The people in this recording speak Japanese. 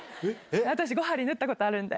私、５針縫ったことあるんで。